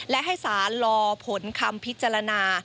และให้สารรอผลคำพิจารณา